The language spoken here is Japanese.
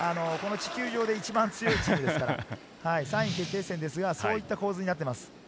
地球上で一番強いチームですから、３位決定戦ですが、そういった構図になっています。